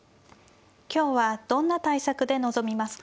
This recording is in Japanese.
今日はどんな対策で臨みますか。